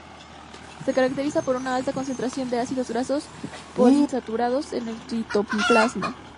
Se caracterizan por una alta concentración de ácidos grasos poliinsaturados en el citoplasma.